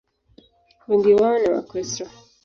Wengi wao ni Wakristo.